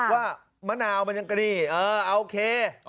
ว่ามะนาวมันยังกระดีเออโอเค